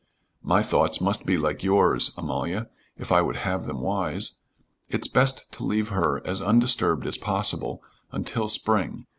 "My thoughts must be like yours, Amalia, if I would have them wise. It's best to leave her as undisturbed as possible until spring.